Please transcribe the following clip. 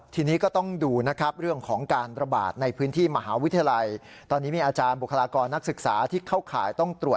ทีนี้ก็ต้องดูนะครับเรื่องของการระบาดในพื้นที่มหาวิทยาลัย